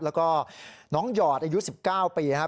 แล้วก็น้องหยอดอายุ๑๙ปีนะครับ